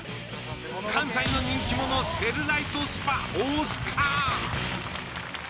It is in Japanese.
関西の人気者セルライトスパ大須賀。